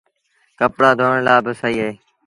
ڪپڙآ ڌوڻ لآ با سهيٚ اهي۔